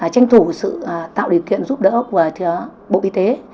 tranh thủ sự tạo điều kiện giúp đỡ của bộ y tế